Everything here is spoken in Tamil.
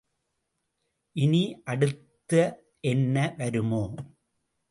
இனி அடுத்து என்ன வருமோ?